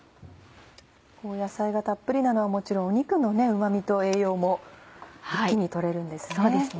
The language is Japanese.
野菜がたっぷりなのはもちろん肉のうま味と栄養も一気に取れるんですね。